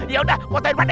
yaudah motokin pak d ya